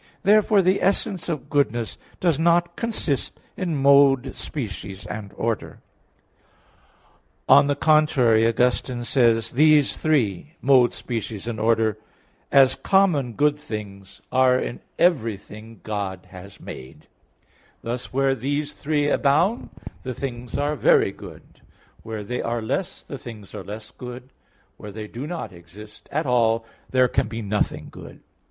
Therefore the essence of goodness does not consist in mode, species and order. On the contrary, Augustine says (De Nat. Boni. iii): "These three mode, species and order as common good things, are in everything God has made; thus, where these three abound the things are very good; where they are less, the things are less good; where they do not exist at all, there can be nothing good."